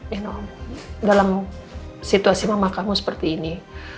you know dalam situasi mama kamu seperti ini